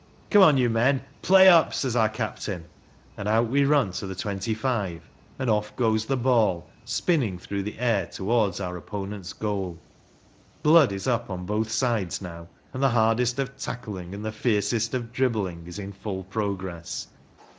" Come on, you men ; play up !" says our captain ; and out we run to the twenty five, and off goes the ball, spinning through the air towards our opponents' goal. Blood is up on both sides now, and the hardest of tackling and the fiercest of dribbling is in full progress.